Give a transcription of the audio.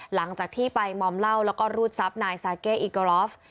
หลังจากที่ไปมอมเหล้าแล้วก็รูดทรัพย์นายซาเก้ออิโกรอฟ